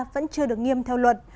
vẫn chưa được nghiêm theo luật